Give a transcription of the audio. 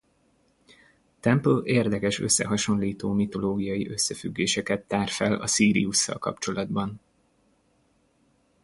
Temple érdekes összehasonlító mitológiai összefüggéseket tár fel a Szíriusszal kapcsolatban.